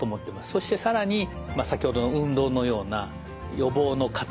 そして更に先ほどの運動のような予防の活動。